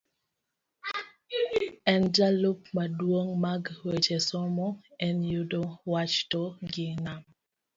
en jalup maduong' mag weche, somo en yudo wach to gi nam